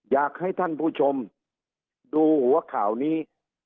อยากให้ท่านผู้ชมดูหัวข่าวนี้